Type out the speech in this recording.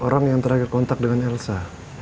orang yang terakhir kontak dengan elsa